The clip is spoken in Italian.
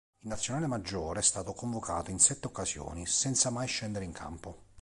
In nazionale maggiore è stato convocato in sette occasioni, senza mai scendere in campo.